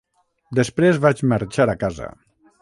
Després vaig marxar a casa.